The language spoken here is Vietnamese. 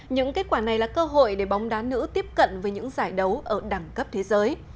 những kết quả này là cơ hội để bóng đá nữ tiếp cận với những giải đấu ở đẳng cấp thế giới